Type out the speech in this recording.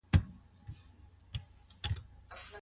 د ميرمني معنوي حقوق څنګه اداء کيږي؟